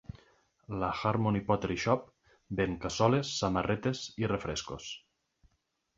La Harmony Pottery Shop ven cassoles, samarretes i refrescos.